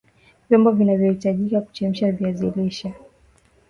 vyombo vinavyohitajika kuchemsha viazi lishe